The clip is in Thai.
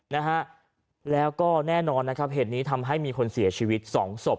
นะฮะแล้วก็แน่นอนนะครับเหตุนี้ทำให้มีคนเสียชีวิตสองศพ